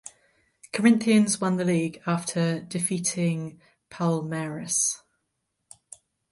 Corinthians won the league after defeating Palmeiras.